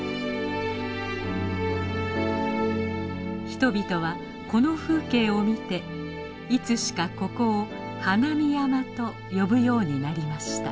人々はこの風景を見ていつしかここを「花見山」と呼ぶようになりました。